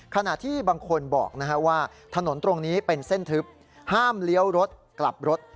ขณะที่บางคนบอกว่าถนนตรงนี้เป็นเส้นทึบห้ามเลี้ยวรถกลับรถ